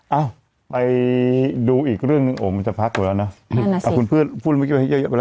มานะซิอ๋อไปดูอีกลึงนึงโอ๊มมันจะพักตอนละเนาะนะ